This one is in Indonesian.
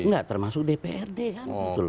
nggak termasuk dprd kan gitu loh